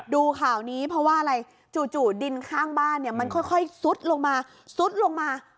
ดูข่าวนี้เพราะว่าอะไรจู่ดินข้างบ้านเนี่ยมันค่อยซุดลงมาซุดลงมา